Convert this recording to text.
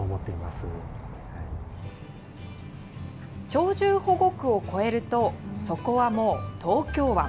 鳥獣保護区を越えると、そこはもう東京湾。